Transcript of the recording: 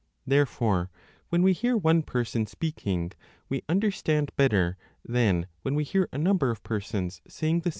Therefore, when we hear one person speaking, we understand better than when we hear a number of persons saying the same thing 1 8oi a 28.